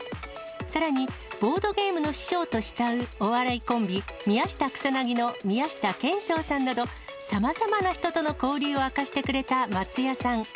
さらにボードゲームの師匠と慕うお笑いコンビ、宮下草薙の宮下兼史鷹さんなど、さまざまな人との交流を明かしてくれた松也さん。